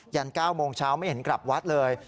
ัน๙โมงเช้าไม่เห็นกลับวัดเลย